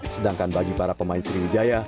sedangkan bagi para pemain sriwijaya